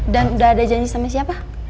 dan udah ada janji sama siapa